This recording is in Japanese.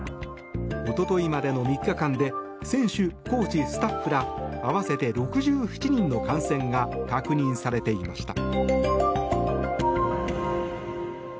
一昨日までの３日間で選手、コーチ、スタッフら合わせて６７人の感染が確認されていました。